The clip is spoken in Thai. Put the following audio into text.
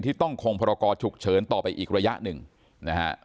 ต้องคงพรกรฉุกเฉินต่อไปอีกระยะหนึ่งนะฮะ